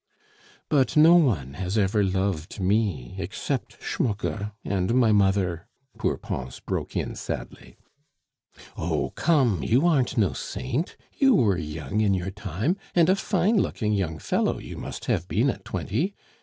"But no one has ever loved me except Schmucke and my mother," poor Pons broke in sadly. "Oh! come, you aren't no saint! You were young in your time, and a fine looking young fellow you must have been at twenty.